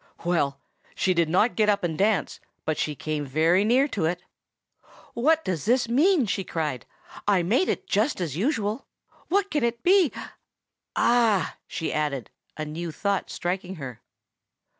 Well, she did not get up and dance, but she came very near it. "What does this mean?" she cried. "I made it just as usual. What can it be? Ah!" she added, a new thought striking her.